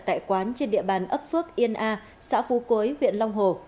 tại quán trên địa bàn ấp phước yên a xã phú quế huyện long hồ